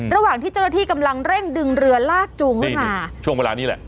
ระหว่างที่เจ้าหน้าที่กำลังเร่งดึงเรือลากจูงขึ้นมาช่วงเวลานี้แหละ